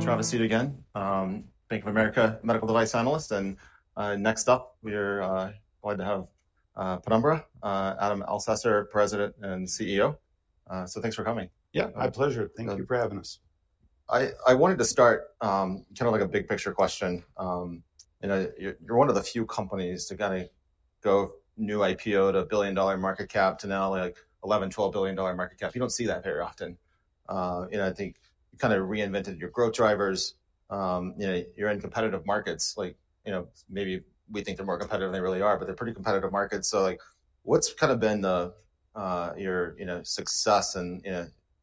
Travis Hewett again, Bank of America Medical Device Analyst. Next up, we're glad to have Penumbra, Adam Elsesser, President and CEO. Thanks for coming. Yeah, my pleasure. Thank you for having us. I wanted to start kind of like a big picture question. You're one of the few companies to kind of go new IPO to a billion dollar market cap to now like $11 billion-$12 billion market cap. You don't see that very often. And I think you kind of reinvented your growth drivers. You're in competitive markets. Like, you know, maybe we think they're more competitive than they really are, but they're pretty competitive markets. So like what's kind of been your success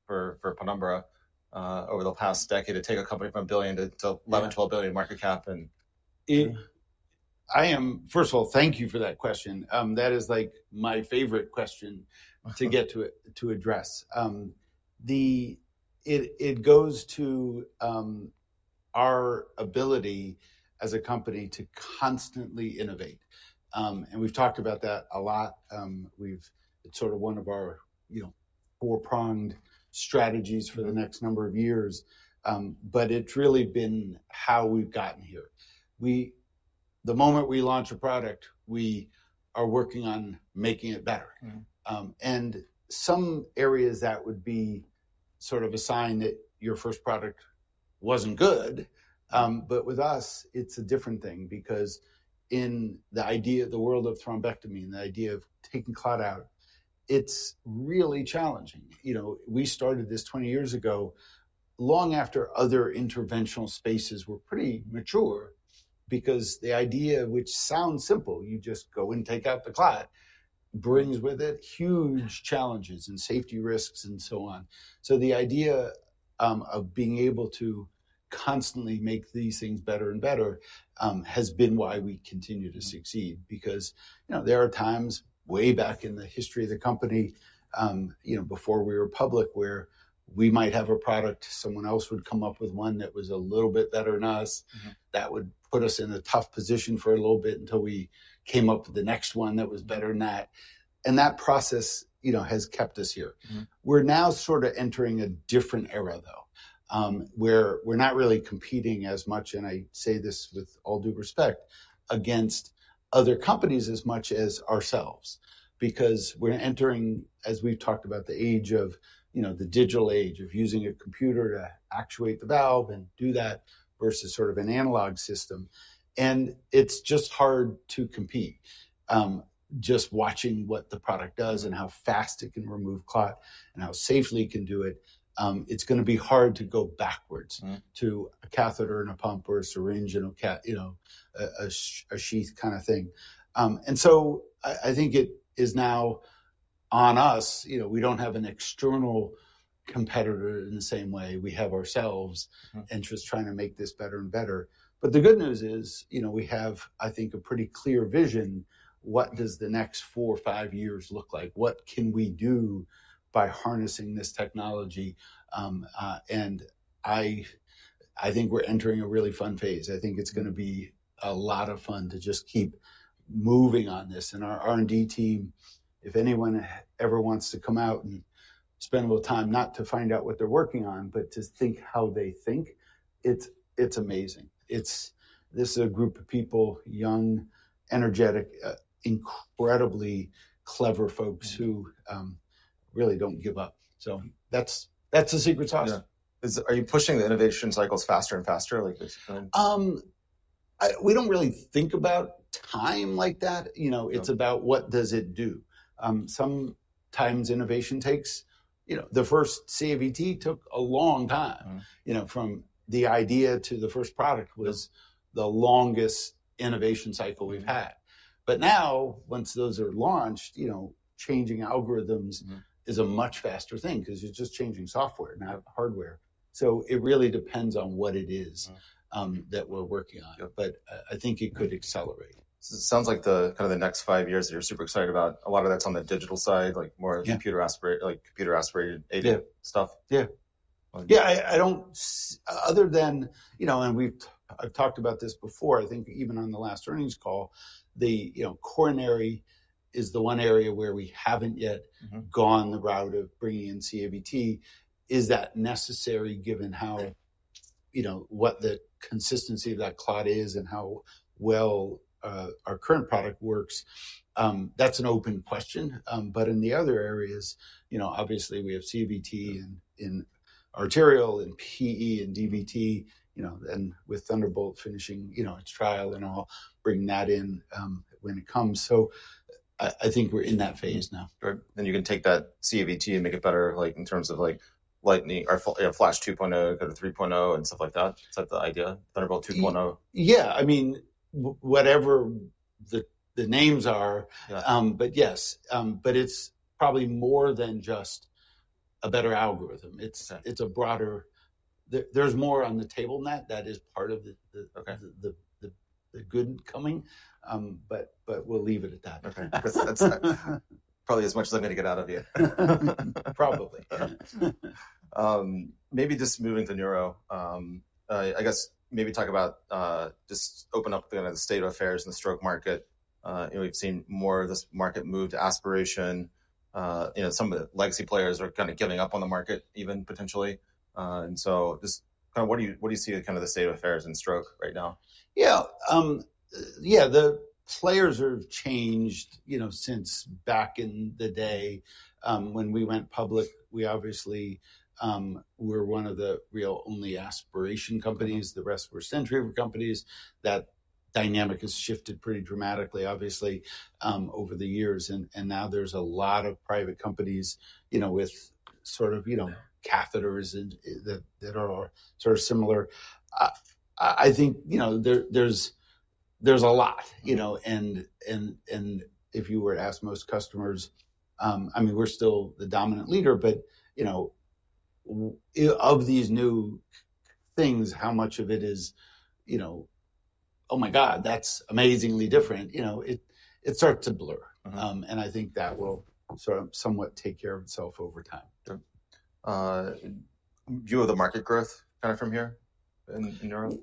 for Penumbra over the past decade to take a company from a billion to $11 billion-$12 billion market cap? I am, first of all, thank you for that question. That is like my favorite question to get to address. It goes to our ability as a company to constantly innovate. We have talked about that a lot. It is sort of one of our four-pronged strategies for the next number of years. It has really been how we have gotten here. The moment we launch a product, we are working on making it better. In some areas, that would be sort of a sign that your first product was not good. With us, it is a different thing because in the idea, the world of thrombectomy and the idea of taking clot out, it is really challenging. We started this 20 years ago, long after other interventional spaces were pretty mature because the idea, which sounds simple, you just go and take out the clot, brings with it huge challenges and safety risks and so on. The idea of being able to constantly make these things better and better has been why we continue to succeed because there are times way back in the history of the company, before we were public, where we might have a product, someone else would come up with one that was a little bit better than us. That would put us in a tough position for a little bit until we came up with the next one that was better than that. That process has kept us here. We're now sort of entering a different era though, where we're not really competing as much, and I say this with all due respect, against other companies as much as ourselves because we're entering, as we've talked about, the age of the digital age of using a computer to actuate the valve and do that versus sort of an analog system. It's just hard to compete. Just watching what the product does and how fast it can remove clot and how safely it can do it, it's going to be hard to go backwards to a catheter and a pump or a syringe and a sheath kind of thing. I think it is now on us. We don't have an external competitor in the same way. We have ourselves and just trying to make this better and better. The good news is we have, I think, a pretty clear vision. What does the next four or five years look like? What can we do by harnessing this technology? I think we're entering a really fun phase. I think it's going to be a lot of fun to just keep moving on this. Our R&D team, if anyone ever wants to come out and spend a little time not to find out what they're working on, but to think how they think, it's amazing. This is a group of people, young, energetic, incredibly clever folks who really don't give up. That's the secret sauce. Are you pushing the innovation cycles faster and faster? We don't really think about time like that. It's about what does it do. Sometimes innovation takes, the first CAVT took a long time from the idea to the first product was the longest innovation cycle we've had. Now, once those are launched, changing algorithms is a much faster thing because you're just changing software, not hardware. It really depends on what it is that we're working on. I think it could accelerate. Sounds like the kind of the next five years that you're super excited about. A lot of that's on the digital side, like more computer aspirated stuff. Yeah. Yeah, I don't, other than, you know, and I've talked about this before, I think even on the last earnings call, the coronary is the one area where we haven't yet gone the route of bringing in CAVT. Is that necessary given what the consistency of that clot is and how well our current product works? That's an open question. In the other areas, obviously we have CAVT in arterial and PE and DVT, and with Thunderbolt finishing its trial and all, bringing that in when it comes. I think we're in that phase now. You can take that CAVT and make it better in terms of Lightning or Flash 2.0, kind of 3.0 and stuff like that? Is that the idea? Thunderbolt 2.0? Yeah, I mean, whatever the names are, but yes. It's probably more than just a better algorithm. It's a broader, there's more on the table than that. That is part of the good coming. We'll leave it at that. Okay. Probably as much as I'm going to get out of you. Probably. Maybe just moving to neuro. I guess maybe talk about just open up the state of affairs in the stroke market. We've seen more of this market move to aspiration. Some of the legacy players are kind of giving up on the market even potentially. Just kind of what do you see kind of the state of affairs in stroke right now? Yeah. Yeah, the players have changed since back in the day when we went public. We obviously were one of the real only aspiration companies. The rest were century companies. That dynamic has shifted pretty dramatically, obviously, over the years. Now there's a lot of private companies with sort of catheters that are sort of similar. I think there's a lot. If you were to ask most customers, I mean, we're still the dominant leader, but of these new things, how much of it is, oh my God, that's amazingly different? It starts to blur. I think that will sort of somewhat take care of itself over time. View of the market growth kind of from here in neuro?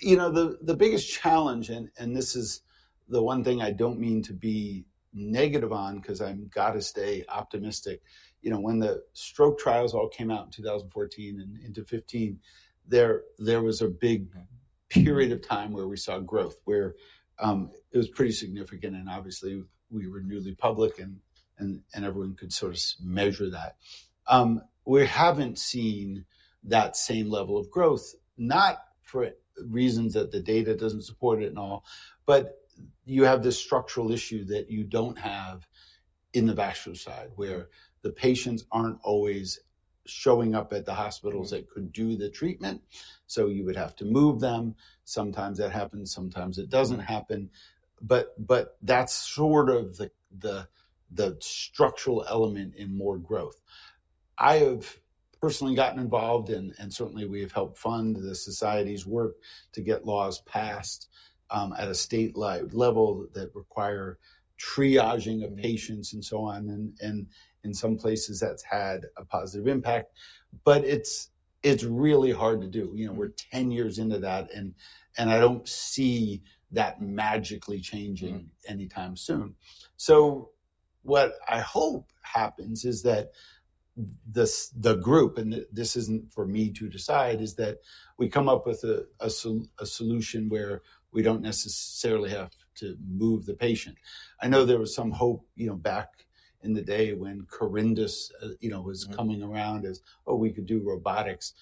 You know the biggest challenge, and this is the one thing I don't mean to be negative on because I've got to stay optimistic. When the stroke trials all came out in 2014 and into 2015, there was a big period of time where we saw growth, where it was pretty significant. Obviously, we were newly public and everyone could sort of measure that. We haven't seen that same level of growth, not for reasons that the data doesn't support it and all, but you have this structural issue that you don't have in the vascular side where the patients aren't always showing up at the hospitals that could do the treatment. You would have to move them. Sometimes that happens. Sometimes it doesn't happen. That's sort of the structural element in more growth. I have personally gotten involved and certainly we have helped fund the society's work to get laws passed at a state-level that require triaging of patients and so on. In some places, that's had a positive impact. It's really hard to do. We're 10 years into that and I don't see that magically changing anytime soon. What I hope happens is that the group, and this isn't for me to decide, is that we come up with a solution where we don't necessarily have to move the patient. I know there was some hope back in the day when Carindus was coming around as, oh, we could do robotics.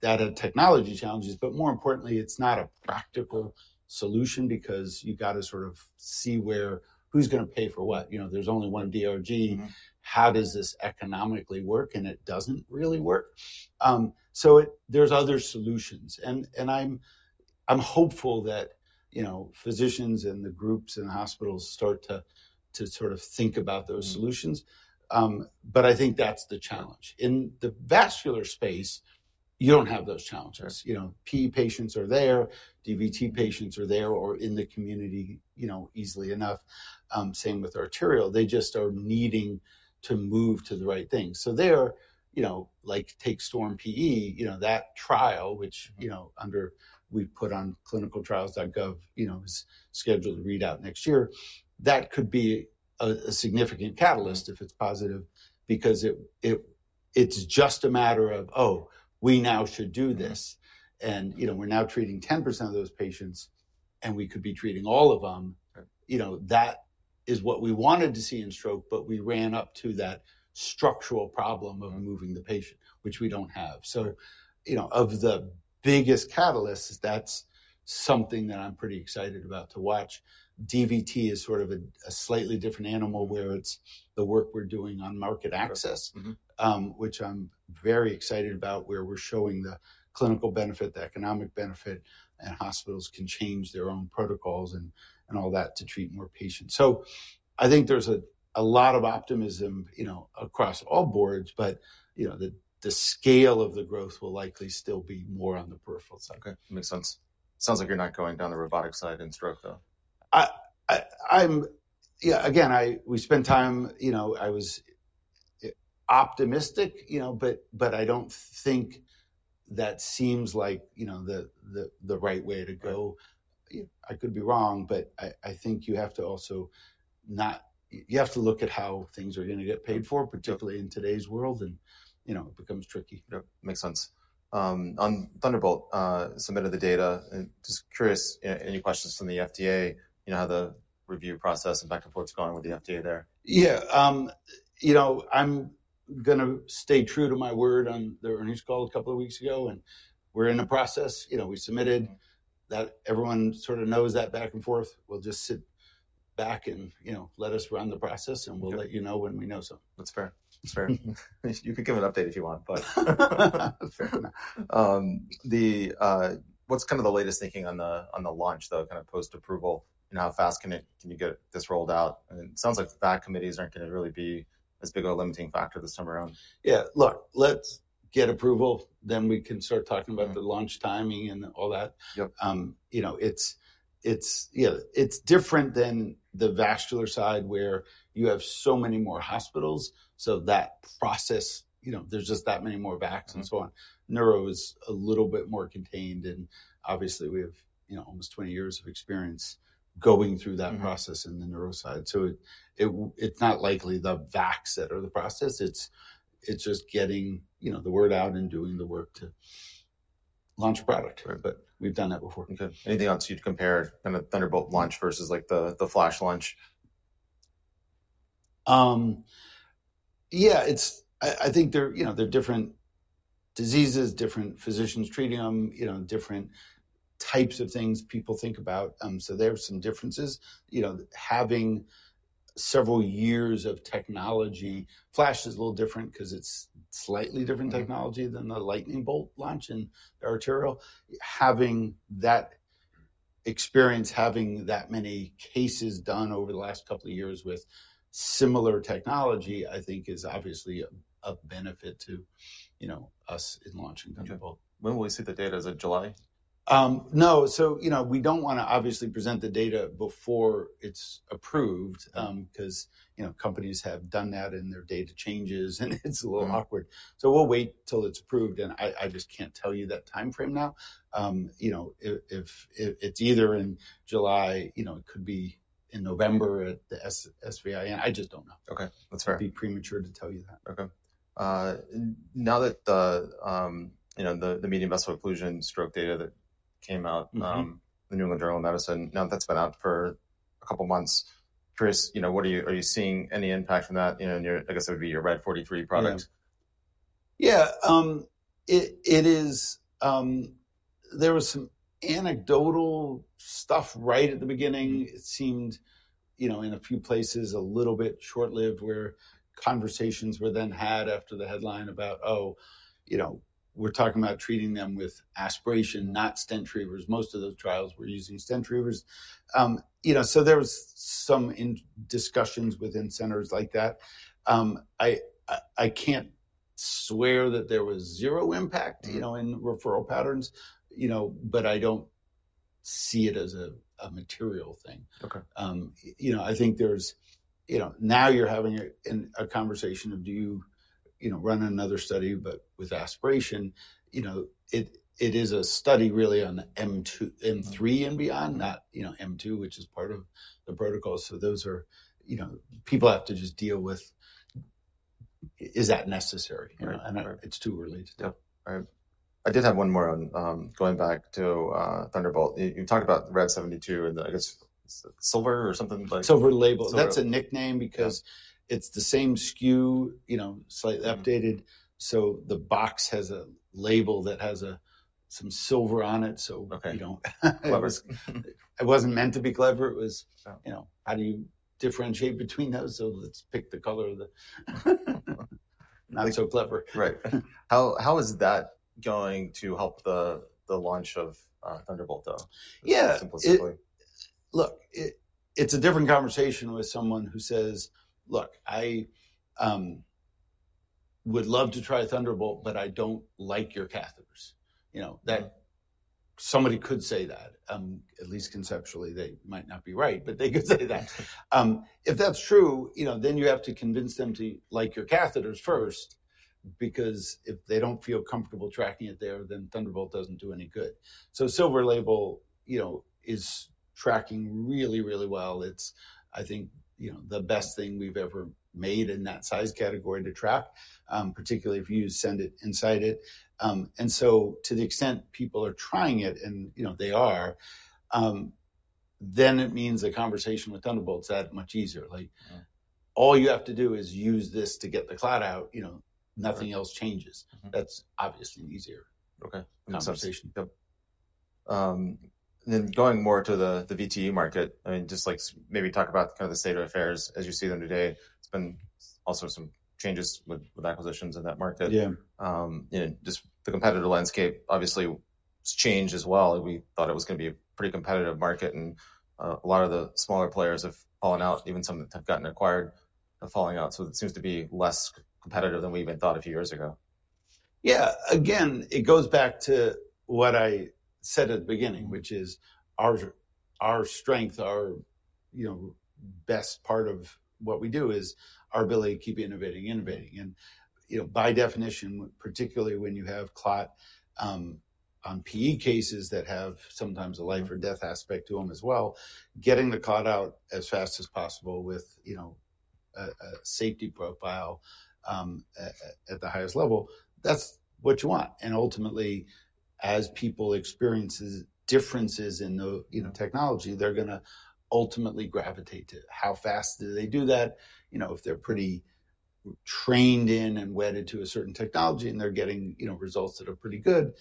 That had technology challenges, but more importantly, it's not a practical solution because you've got to sort of see where who's going to pay for what. There's only one DOG. How does this economically work? It does not really work. There are other solutions. I am hopeful that physicians and the groups and hospitals start to sort of think about those solutions. I think that is the challenge. In the vascular space, you do not have those challenges. PE patients are there. DVT patients are there or in the community easily enough. Same with arterial. They just are needing to move to the right thing. There, like Take STORM - PE, that trial, which we have put on clinicaltrials.gov, is scheduled to read out next year. That could be a significant catalyst if it is positive because it is just a matter of, oh, we now should do this. We are now treating 10% of those patients and we could be treating all of them. That is what we wanted to see in stroke, but we ran up to that structural problem of moving the patient, which we do not have. Of the biggest catalysts, that's something that I'm pretty excited about to watch. DVT is sort of a slightly different animal where it's the work we're doing on market access, which I'm very excited about where we're showing the clinical benefit, the economic benefit, and hospitals can change their own protocols and all that to treat more patients. I think there's a lot of optimism across all boards, but the scale of the growth will likely still be more on the peripheral side. Okay. Makes sense. Sounds like you're not going down the robotic side in stroke though. Yeah, again, we spend time, I was optimistic, but I don't think that seems like the right way to go. I could be wrong, but I think you have to also not, you have to look at how things are going to get paid for, particularly in today's world, and it becomes tricky. Makes sense. On Thunderbolt, submitted the data. Just curious, any questions from the FDA? You know how the review process and back and forth is going with the FDA there? Yeah. You know I'm going to stay true to my word on the earnings call a couple of weeks ago. We are in a process. We submitted that. Everyone sort of knows that back and forth. We'll just sit back and let us run the process, and we'll let you know when we know something. That's fair. That's fair. You can give an update if you want, but what's kind of the latest thinking on the launch though, kind of post-approval and how fast can you get this rolled out? It sounds like the back committees aren't going to really be as big of a limiting factor this time around. Yeah. Look, let's get approval, then we can start talking about the launch timing and all that. Yeah, it's different than the vascular side where you have so many more hospitals. That process, there's just that many more VACs and so on. Neuro is a little bit more contained. Obviously, we have almost 20 years of experience going through that process in the neuro side. It's not likely the VACs that are the process. It's just getting the word out and doing the work to launch a product. We've done that before. Okay. Anything else you'd compare kind of Thunderbolt launch versus the Flash launch? Yeah. I think there are different diseases, different physicians treating them, different types of things people think about. There are some differences. Having several years of technology, FLASH is a little different because it's slightly different technology than the LIGHTNING BOLT launch and the arterial. Having that experience, having that many cases done over the last couple of years with similar technology, I think is obviously a benefit to us in launching THUNDERBOLT. When will we see the data? Is it July? No. We do not want to obviously present the data before it is approved because companies have done that and their data changes and it is a little awkward. We will wait till it is approved. I just cannot tell you that timeframe now. If it is either in July, it could be in November at the SVIN. I just do not know. Okay. That's fair. It'd be premature to tell you that. Okay. Now that the medium vessel occlusion stroke data that came out, the New England Journal of Medicine, now that's been out for a couple of months. Curious, are you seeing any impact from that? I guess that would be your RED 43 product. Yeah. There was some anecdotal stuff right at the beginning. It seemed in a few places a little bit short-lived where conversations were then had after the headline about, oh, we're talking about treating them with aspiration, not stent retrievers. Most of those trials were using stent retrievers. There was some discussions within centers like that. I can't swear that there was zero impact in referral patterns, but I don't see it as a material thing. I think now you're having a conversation of do you run another study, but with aspiration? It is a study really on the M3 and beyond, not M2, which is part of the protocol. Those are people have to just deal with, is that necessary? And it's too early to do. I did have one more on going back to Thunderbolt. You talked about RED 72 and I guess Silver Label or something like that. Silver label. That's a nickname because it's the same SKU, slightly updated. The box has a label that has some silver on it. It wasn't meant to be clever. It was how do you differentiate between those? Let's pick the color of the not so clever. Right. How is that going to help the launch of Thunderbolt though? Yeah. Look, it's a different conversation with someone who says, look, I would love to try Thunderbolt, but I don't like your catheters. Somebody could say that. At least conceptually, they might not be right, but they could say that. If that's true, then you have to convince them to like your catheters first because if they don't feel comfortable tracking it there, then Thunderbolt doesn't do any good. Silver Label is tracking really, really well. It's, I think, the best thing we've ever made in that size category to track, particularly if you send it inside it. To the extent people are trying it, and they are, then it means a conversation with Thunderbolt's that much easier. All you have to do is use this to get the clot out. Nothing else changes. That's obviously an easier conversation. Okay. And then going more to the VTE market, I mean, just like maybe talk about kind of the state of affairs as you see them today. It's been also some changes with acquisitions in that market. Yeah, just the competitor landscape obviously has changed as well. We thought it was going to be a pretty competitive market and a lot of the smaller players have fallen out. Even some that have gotten acquired are falling out. It seems to be less competitive than we even thought a few years ago. Yeah. Again, it goes back to what I said at the beginning, which is our strength, our best part of what we do is our ability to keep innovating, innovating. By definition, particularly when you have clot on PE cases that have sometimes a life or death aspect to them as well, getting the clot out as fast as possible with a safety profile at the highest level, that's what you want. Ultimately, as people experience differences in the technology, they're going to ultimately gravitate to how fast do they do that? If they're pretty trained in and wedded to a certain technology and they're getting results that are pretty good,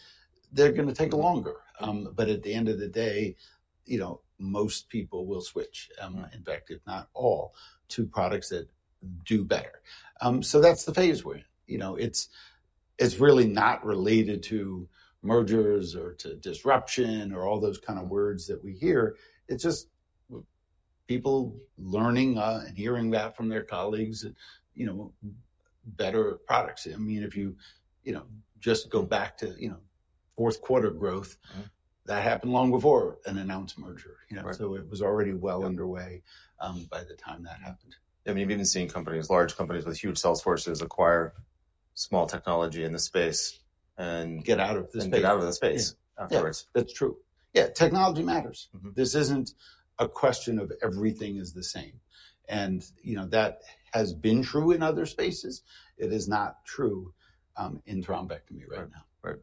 they're going to take longer. At the end of the day, most people will switch, in fact, if not all, to products that do better. That's the phase we're in. It's really not related to mergers or to disruption or all those kinds of words that we hear. It's just people learning and hearing that from their colleagues and better products. I mean, if you just go back to fourth quarter growth, that happened long before an announced merger. It was already well underway by the time that happened. I mean, you've even seen companies, large companies with huge sales forces acquire small technology in the space and get out of the space. That's true. Yeah, technology matters. This isn't a question of everything is the same. That has been true in other spaces. It is not true in thrombectomy right now.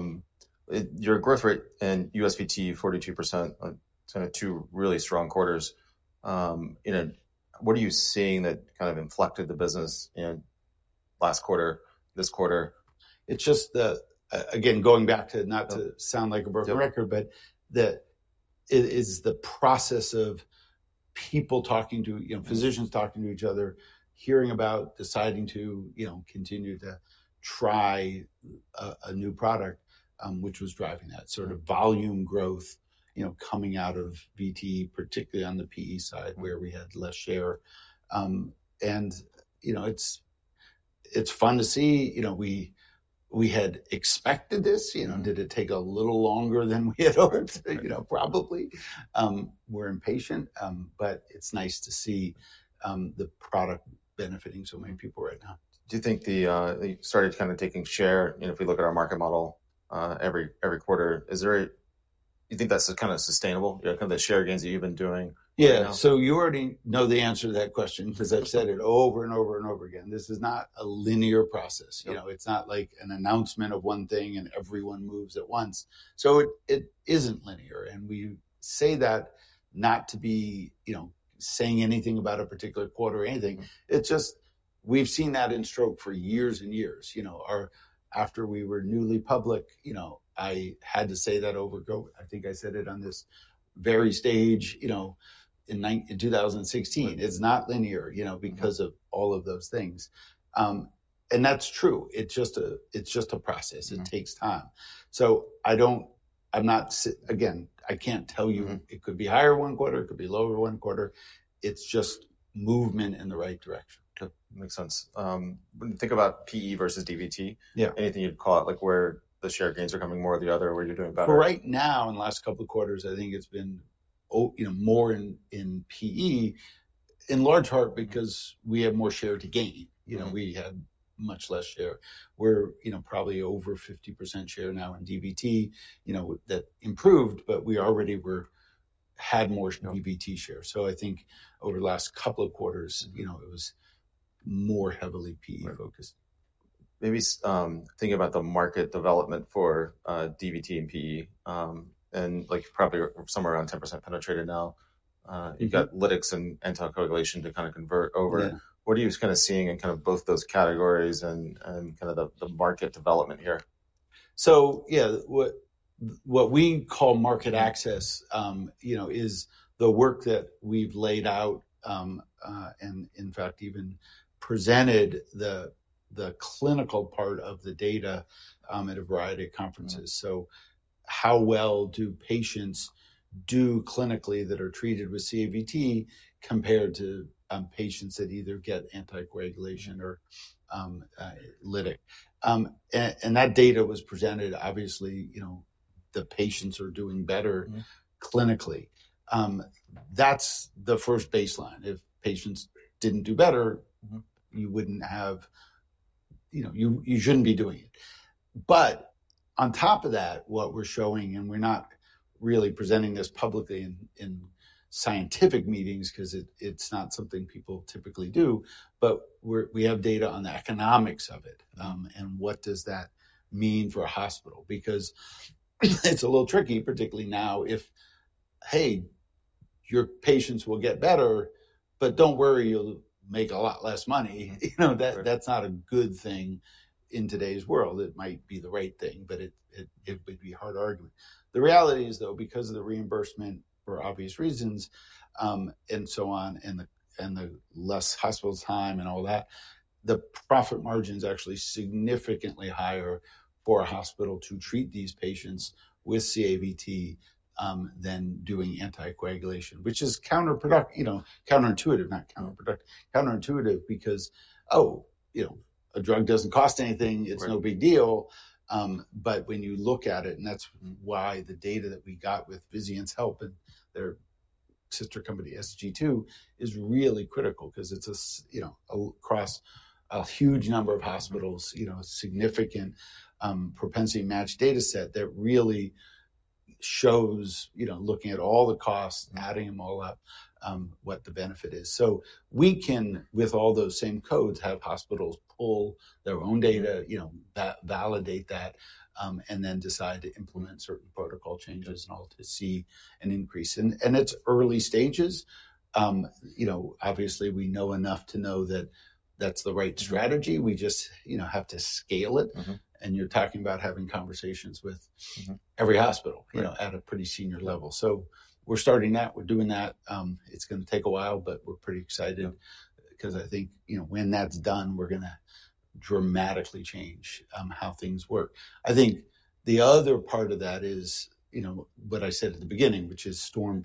Right. Your growth rate and U.S. VTE 42%, kind of two really strong quarters. What are you seeing that kind of inflected the business last quarter, this quarter? It's just that, again, going back to not to sound like a broken record, but it is the process of people talking to physicians, talking to each other, hearing about, deciding to continue to try a new product, which was driving that sort of volume growth coming out of VTE, particularly on the PE side where we had less share. It's fun to see. We had expected this. Did it take a little longer than we had hoped? Probably. We're impatient, but it's nice to see the product benefiting so many people right now. Do you think you started kind of taking share if we look at our market model every quarter? Do you think that's kind of sustainable? Kind of the share gains that you've been doing? Yeah. You already know the answer to that question because I've said it over and over and over again. This is not a linear process. It's not like an announcement of one thing and everyone moves at once. It isn't linear. We say that not to be saying anything about a particular quarter or anything. We've seen that in stroke for years and years. After we were newly public, I had to say that over and over. I think I said it on this very stage in 2016. It's not linear because of all of those things. That's true. It's just a process. It takes time. I'm not, again, I can't tell you it could be higher one quarter, it could be lower one quarter. It's just movement in the right direction. Makes sense. When you think about PE versus DVT, anything you'd call it, like where the share gains are coming more or the other, where you're doing better? Right now, in the last couple of quarters, I think it's been more in PE, in large part because we have more share to gain. We had much less share. We're probably over 50% share now in DVT that improved, but we already had more DVT share. I think over the last couple of quarters, it was more heavily PE focused. Maybe thinking about the market development for DVT and PE and probably somewhere around 10% penetrated now. You've got lytics and anticoagulation to kind of convert over. What are you kind of seeing in kind of both those categories and kind of the market development here? Yeah, what we call market access is the work that we've laid out and in fact even presented the clinical part of the data at a variety of conferences. How well do patients do clinically that are treated with CAVT compared to patients that either get anticoagulation or lytic? That data was presented. Obviously, the patients are doing better clinically. That's the first baseline. If patients didn't do better, you wouldn't have, you shouldn't be doing it. On top of that, what we're showing, and we're not really presenting this publicly in scientific meetings because it's not something people typically do, we have data on the economics of it and what does that mean for a hospital? It's a little tricky, particularly now if, hey, your patients will get better, but don't worry, you'll make a lot less money. That's not a good thing in today's world. It might be the right thing, but it would be a hard argument. The reality is though, because of the reimbursement for obvious reasons and so on, and the less hospital time and all that, the profit margin is actually significantly higher for a hospital to treat these patients with CAVT than doing anticoagulation, which is counterintuitive, not counterproductive. Counterintuitive because, oh, a drug doesn't cost anything. It's no big deal. But when you look at it, and that's why the data that we got with Vizient's help and their sister company, SG2, is really critical because it's across a huge number of hospitals, a significant propensity match dataset that really shows, looking at all the costs, adding them all up, what the benefit is. We can, with all those same codes, have hospitals pull their own data, validate that, and then decide to implement certain protocol changes, all to see an increase. It is early stages. Obviously, we know enough to know that is the right strategy. We just have to scale it. You are talking about having conversations with every hospital at a pretty senior level. We are starting that. We are doing that. It is going to take a while, but we are pretty excited because I think when that is done, we are going to dramatically change how things work. I think the other part of that is what I said at the beginning, which is STORM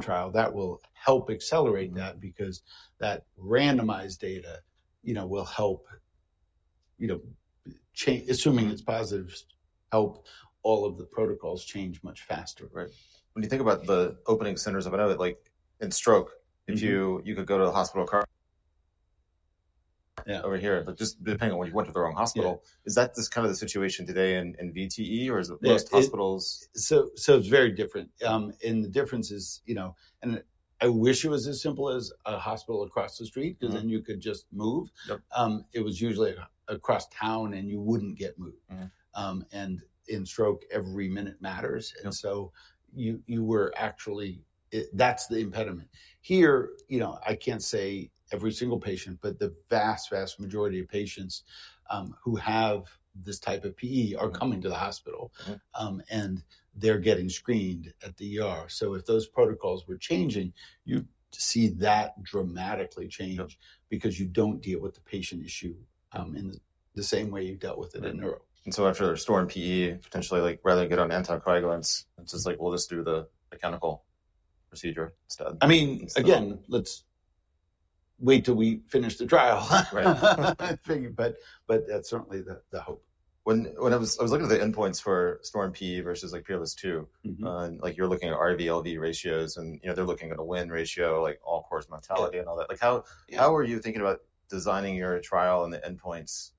trial. That will help accelerate that because that randomized data will help, assuming it is positive, help all of the protocols change much faster. When you think about the opening centers, I know in stroke, you could go to the hospital over here, but just depending on what you went to the wrong hospital, is that kind of the situation today in VTE or is it most hospitals? It is very different. The difference is, and I wish it was as simple as a hospital across the street because then you could just move. It was usually across town and you would not get moved. In stroke, every minute matters. That is the impediment. Here, I cannot say every single patient, but the vast, vast majority of patients who have this type of PE are coming to the hospital and they are getting screened at the hospital. If those protocols were changing, you would see that dramatically change because you do not deal with the patient issue in the same way you dealt with it in neuro. After their STORM PE, potentially rather than get on anticoagulants, it's just like, we'll just do the mechanical procedure instead. I mean, again, let's wait till we finish the trial. That's certainly the hope. When I was looking at the endpoints for STORM - PE versus PEERLESS II, you're looking at RV/LV ratios and they're looking at a win ratio, like all-cause mortality and all that. How are you thinking about designing your trial and the endpoints?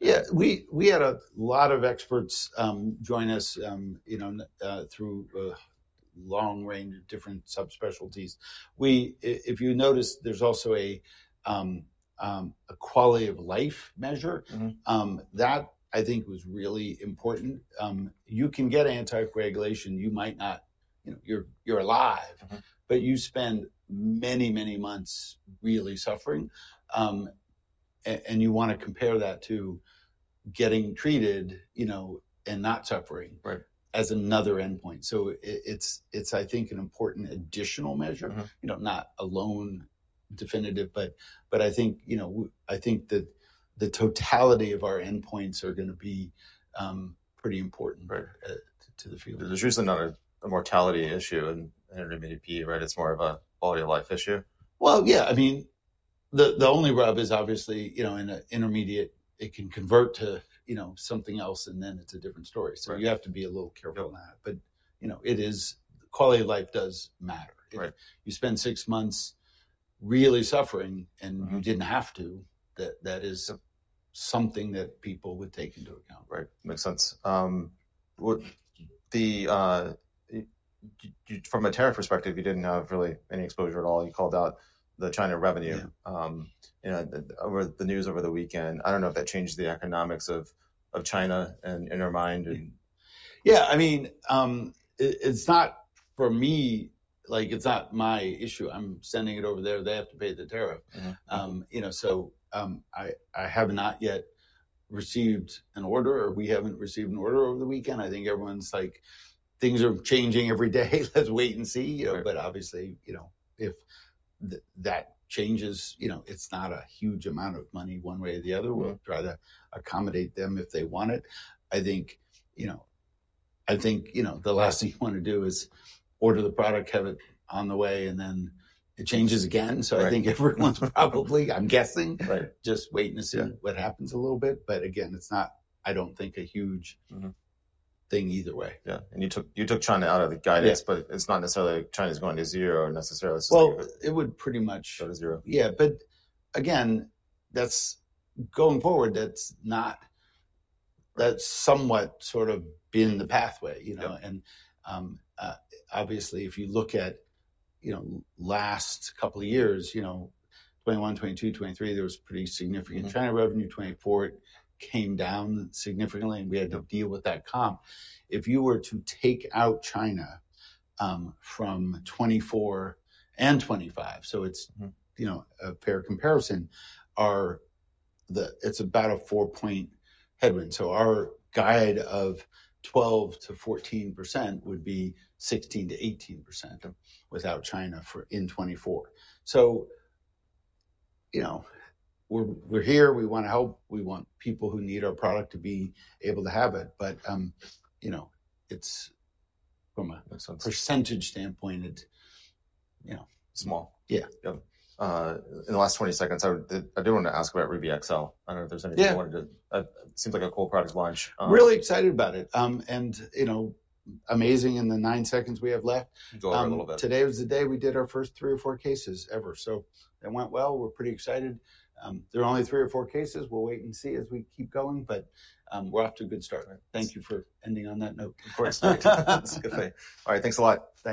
Yeah, we had a lot of experts join us through a long range of different subspecialties. If you notice, there's also a quality of life measure. That, I think, was really important. You can get anticoagulation. You might not, you're alive, but you spend many, many months really suffering. You want to compare that to getting treated and not suffering as another endpoint. I think it's an important additional measure, not a lone definitive, but I think that the totality of our endpoints are going to be pretty important to the field. There's usually not a mortality issue in intermediate PE, right? It's more of a quality of life issue. Yeah. I mean, the only rub is obviously in intermediate, it can convert to something else and then it's a different story. You have to be a little careful on that. It is, quality of life does matter. If you spend six months really suffering and you didn't have to, that is something that people would take into account. Right. Makes sense. From a tariff perspective, you did not have really any exposure at all. You called out the China revenue over the news over the weekend. I do not know if that changed the economics of China in your mind. Yeah. I mean, it's not for me, like it's not my issue. I'm sending it over there. They have to pay the tariff. So I have not yet received an order or we haven't received an order over the weekend. I think everyone's like, things are changing every day. Let's wait and see. Obviously, if that changes, it's not a huge amount of money one way or the other. We'll try to accommodate them if they want it. I think the last thing you want to do is order the product, have it on the way, and then it changes again. I think everyone's probably, I'm guessing, just waiting to see what happens a little bit. Again, it's not, I don't think, a huge thing either way. Yeah. You took China out of the guidance, but it's not necessarily like China is going to zero necessarily. It would pretty much. Go to zero. Yeah. Again, going forward, that's somewhat sort of been the pathway. Obviously, if you look at the last couple of years, 2021, 2022, 2023, there was pretty significant China revenue. 2024 came down significantly and we had to deal with that comp. If you were to take out China from 2024 and 2025, so it's a fair comparison, it's about a four-point headwind. Our guide of 12%-14% would be 16%-18% without China in 2024. We're here. We want to help. We want people who need our product to be able to have it. From a percentage standpoint, it's. Small. Yeah. In the last 20 seconds, I did want to ask about Ruby XL. I don't know if there's anything you wanted to. It seems like a cool product launch. Really excited about it. Amazing in the nine seconds we have left. Go ahead a little bit. Today was the day we did our first three or four cases ever. It went well. We're pretty excited. There are only three or four cases. We'll wait and see as we keep going, but we're off to a good start. Thank you for ending on that note. Of course. All right. Thanks a lot. Thanks.